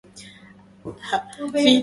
ما يشأ ربك يفعل قادرا